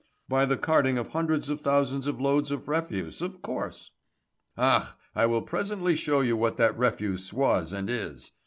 "By the carting of hundreds of thousands of loads of refuse, of course." "Ach, I will presently show you what that refuse was and is.